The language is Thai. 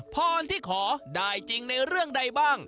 พรที่ขอได้จริงในเรื่องใดบ้าง